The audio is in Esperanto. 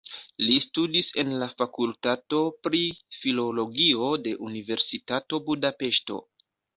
Li studis en la fakultato pri filologio de Universitato Budapeŝto.